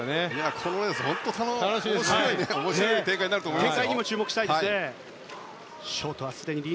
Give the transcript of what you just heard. このレース、本当に面白い展開になると思いますよ。